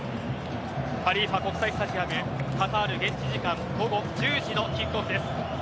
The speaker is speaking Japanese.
ハリーファ国際スタジアムカタール現地時間午後１０時のキックオフです。